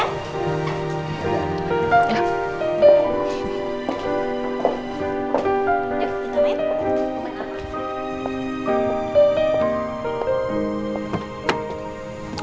yuk kita main